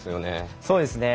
そうですね。